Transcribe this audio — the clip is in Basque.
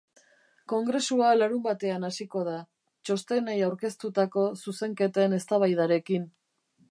Kongresua larunbatean hasiko da, txostenei aurkeztutako zuzenketen eztabaidarekin.